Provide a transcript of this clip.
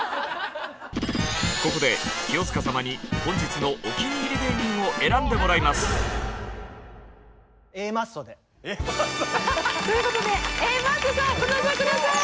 ここで清塚様に本日のお気に入り芸人を選んでもらいます。ということでＡマッソさんご登場下さい！